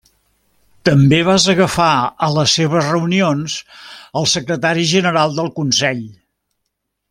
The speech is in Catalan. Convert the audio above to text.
També vas agafar a les seves reunions el Secretari General del Consell.